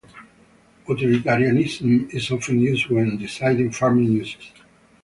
Utilitarianism is often used when deciding farming issues.